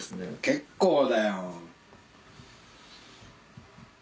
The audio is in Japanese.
結構だよ。